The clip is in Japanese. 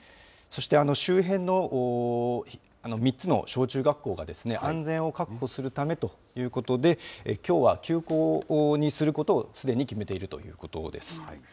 そして、周辺の３つの小中学校が安全を確保するためということで、きょうは休校にすることをすでに決めているということです。